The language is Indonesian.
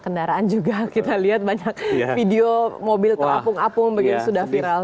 kendaraan juga kita lihat banyak video mobil terapung apung begitu sudah viral